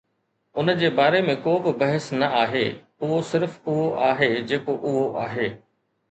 ان جي باري ۾ ڪو به بحث نه آهي، اهو صرف اهو آهي جيڪو اهو آهي.